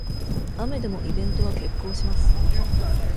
雨でもイベントは決行します